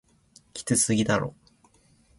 きつすぎだろ